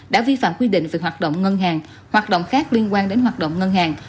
đã vi phạm quy định về hoạt động ngân hàng hoạt động khác liên quan đến hoạt động ngân hàng